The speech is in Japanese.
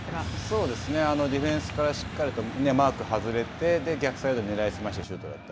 そうですね、ディフェンスからしっかりマーク外れて、逆サイドねらいすましたシュートだった。